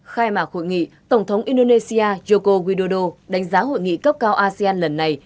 khai mạc hội nghị tổng thống indonesia joko widodo đánh giá hội nghị cấp cao asean lần này